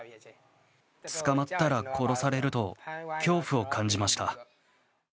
捕まったら殺されると恐怖を感じました。